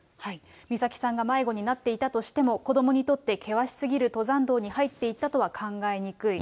美咲さんが迷子になっていたとしても、子どもにとって険しすぎる登山道に入っていったとは考えにくい。